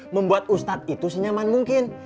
membuat ustadz itu senyaman mungkin